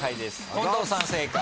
近藤さん正解。